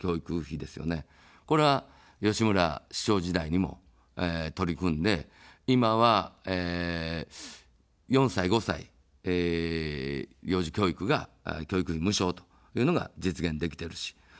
これは、吉村市長時代にも取り組んで、今は、４歳、５歳、幼児教育が教育費無償というのが実現できてるし。